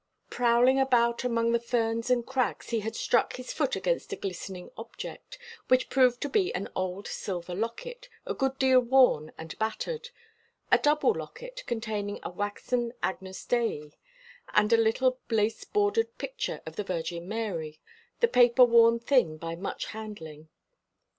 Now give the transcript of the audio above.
Prowling about among the ferns and crags, he had struck his foot against a glistening object, which proved to be an old silver locket, a good deal worn and battered; a double locket, containing a waxen Agnus Dei, and a little lace bordered picture of the Virgin Mary, the paper worn thin by much handling.